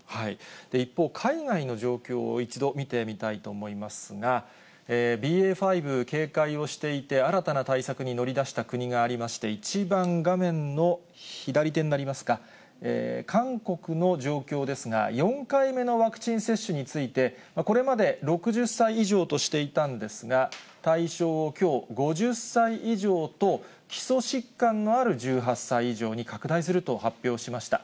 一方、海外の状況を一度見てみたいと思いますが、ＢＡ．５警戒をしていて、新たな対策に乗り出した国がありまして、一番画面の左手になりますか、韓国の状況ですが、４回目のワクチン接種について、これまで６０歳以上としていたんですが、対象をきょう、５０歳以上と、基礎疾患のある１８歳以上に拡大すると発表しました。